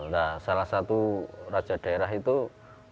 nah salah satu raja daerah itu adalah raja majapahit